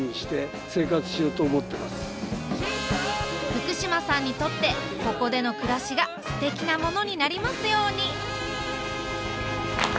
福島さんにとってここでの暮らしがすてきなものになりますように。